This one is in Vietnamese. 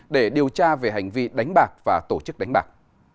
để điều tra về hành vi đánh bạc và tổ chức đánh bạc